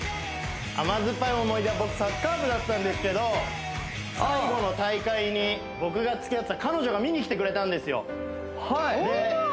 甘酸っぱい思い出は僕サッカー部だったんですけど最後の大会に僕がつきあってた彼女が見に来てくれたんですよで